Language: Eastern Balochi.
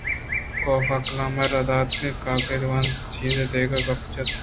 کاف ءَ کلام ءِ راہ داتگیں کاگد ونت ءُچیزے دگہ گپ جت